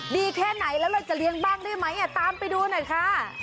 แค่ไหนแล้วเราจะเลี้ยงบ้างได้ไหมตามไปดูหน่อยค่ะ